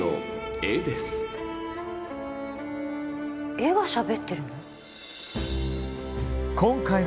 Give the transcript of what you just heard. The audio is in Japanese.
絵がしゃべってるの？